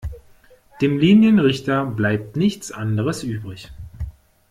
Dem Linienrichter bleibt nichts anderes übrig.